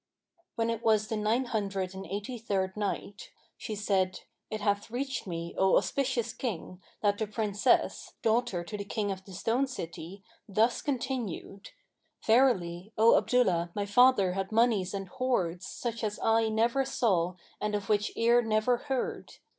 When it was the Nine Hundred and Eight third Night, She said, It hath reached me, O auspicious King, that the Princess, daughter to the King of the Stone city, thus continued, "Verily, O Abdullah my father had monies and hoards, such as eye never saw and of which ear never heard.